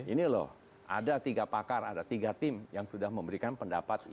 ini loh ada tiga pakar ada tiga tim yang sudah memberikan pendapat